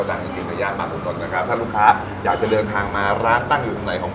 ตั้งแต่๘โมงจนถึงบ่าย๓